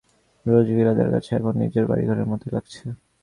রোজ villa তাঁর কাছে এখন নিজের বাড়িঘরের মতোই লাগছে।